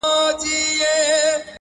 o هغه مړ سو اوس يې ښخ كړلو.